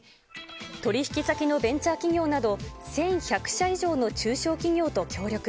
取り引き先のベンチャー企業など、１１００社以上の中小企業と協力。